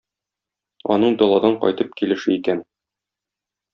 Аның даладан кайтып килеше икән.